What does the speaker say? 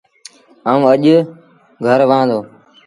آئوٚݩ اَڄ گھر وهآن دو۔